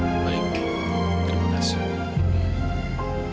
baik terima kasih